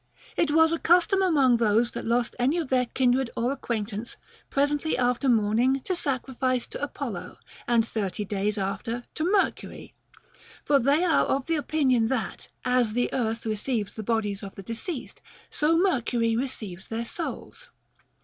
It was a custom among those that lost any of their kindred or acquaintance, presently after mourning to sacrifice to Apollo, and thirty days after to Mercury. For they are of opinion that, as the earth receives the bodies of the deceased, so Mercury receives their souls.